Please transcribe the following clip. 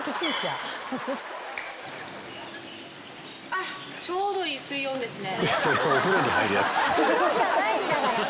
あっちょうどいい水温ですね。